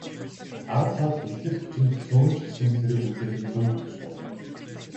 Ар талд бэлтгэл хүчинд цөөн ч гэсэн цэрэг үлдээх нь зөв бус уу?